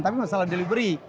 tapi masalah delivery